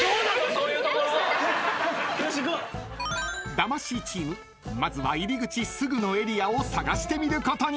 ［魂チームまずは入り口すぐのエリアを探してみることに］